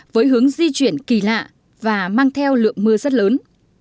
với hướng di chuyển kỳ lạ và mang theo lượng mưa rất lớn